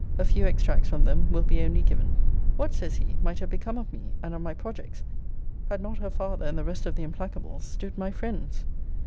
A few extracts from them will be only given.] What, says he, might have become of me, and of my projects, had not her father, and the rest of the implacables, stood my friends?